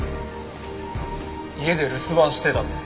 家で留守番してたって。